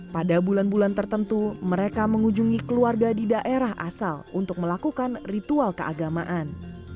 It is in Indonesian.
pada bulan bulan tertentu mereka mengunjungi keluarga di daerah asal untuk melakukan ritual keagamaan